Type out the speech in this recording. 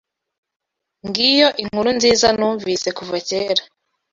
Ngiyo inkuru nziza numvise kuva kera.